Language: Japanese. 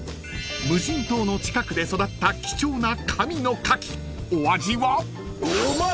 ［無人島の近くで育った貴重な神のカキお味は？］